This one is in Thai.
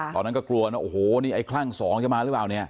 ตอนนั้นก็กลัวโอ้โหไอ้คลั่งสองจะมาหรือเปล่า